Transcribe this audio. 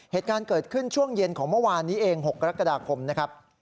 เหตุการณ์เกิดขึ้นช่วงเย็นของเมื่อวานนี้เอง๖กรกฎาคมนะครับ